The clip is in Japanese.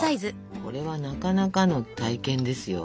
これはなかなかの体験ですよ。